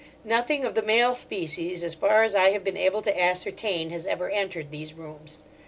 Nothing of the male species, as far as I have been able to ascertain, has ever entered these rooms.